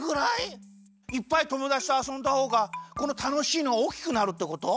いっぱいともだちとあそんだほうがこのたのしいのがおおきくなるってこと？